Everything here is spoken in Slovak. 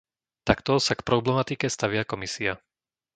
Takto sa k problematike stavia Komisia.